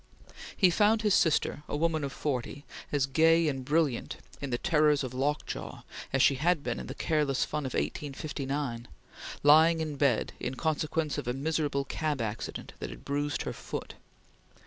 He found his sister, a woman of forty, as gay and brilliant in the terrors of lockjaw as she had been in the careless fun of 1859, lying in bed in consequence of a miserable cab accident that had bruised her foot.